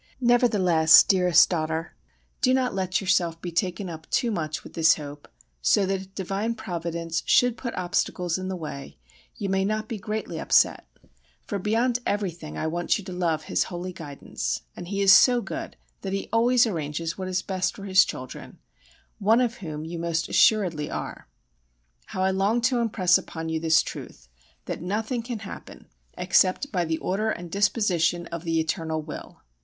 Nevertheless, dearest daughter, do not let yourself be taken up too much with this hope, so that if divine Providence should put obstacles in the way you may not be greatly upset; for beyond everything I want you to love His holy guidance, and He is so good that He always arranges what is best for His children, one of whom you most assuredly are. How I long to impress upon you this truth, that nothing can happen except by the order and disposition of the Eternal Will.